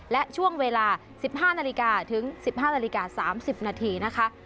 และช่วงเวลา๑๕นาฬิกาถึง๑๕นาฬิกา๓๐นาทีนะคะ